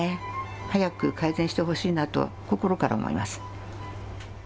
早く改善してほしいなと、心から思います。